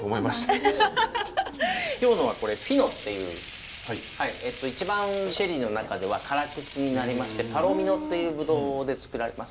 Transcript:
今日のはこれフィノっていう一番シェリーの中では辛口になりましてパロミノっていうブドウで造られます。